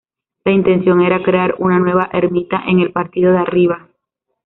La intención era crear una nueva ermita en el partido de Arriba.